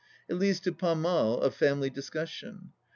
It leads to pas mal of family discussion.